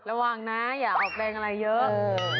ระวังนะอย่าออกแรงอะไรเยอะ